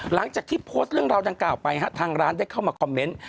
หลังจากที่โพสต์เรื่องราวดังกล่าวไปทางร้านได้เข้ามาคอมเมนต์